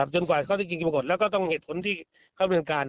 จนกว่าเขาจะจริงกับกฎแล้วก็ต้องเห็นผลที่เขาบริษัทการ